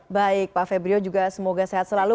baik pak febrio juga semoga sehat selalu